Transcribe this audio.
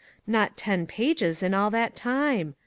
Not ten pages in all that time!